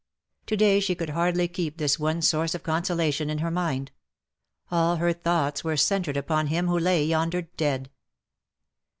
To day she could hardly keep this one source of consolation in her mind. All her thoughts were centred upon him who lay yonder dead.